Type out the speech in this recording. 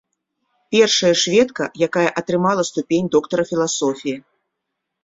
Першая шведка, якая атрымала ступень доктара філасофіі.